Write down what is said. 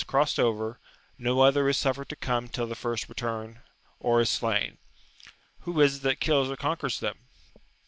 223 crost over, no other is suffered to come till the first return or is slain. — Who is it that kills or conquers them?